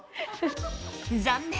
残念！